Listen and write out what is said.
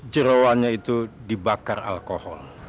jerawannya itu dibakar alkohol